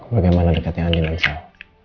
bagaimana dekatnya andi nansal